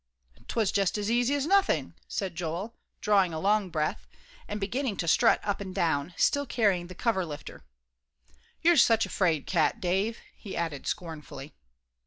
"'Twas just as easy as nothing," said Joel, drawing a long breath, and beginning to strut up and down, still carrying the cover lifter. "You're such a 'fraid cat, Dave," he added scornfully.